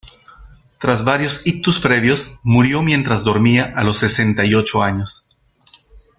Tras varios ictus previos, murió mientras dormía a los sesenta y ocho años.